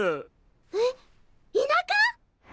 えっ田舎！？